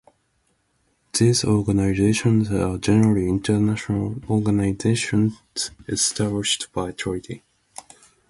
These organizations are generally international organizations established by treaty.